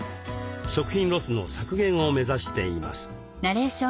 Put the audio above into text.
食品ロスの削減を目指しています。